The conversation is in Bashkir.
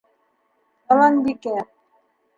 Яланбикә: